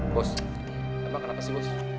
bos emang kenapa sih bos